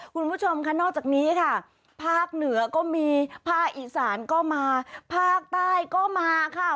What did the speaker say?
คุณผู้ชมค่ะนอกจากนี้ค่ะภาคเหนือก็มีภาคอีสานก็มาภาคใต้ก็มาค่ะ